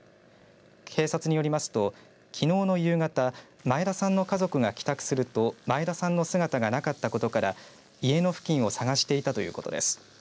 警察によりますときのうの夕方前田さんの家族が帰宅すると前田さんの姿がなかったことから家の付近を捜していたということです。